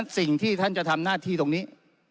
สิ่งที่ท่านจะทำหน้าที่ตรงนี้